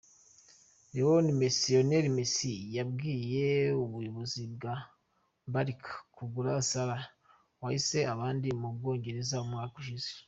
Lionel messi yabwiye ubuyobozi bwa Barca kugura Salah wahize abandi mu Bwongereza umwaka ushize.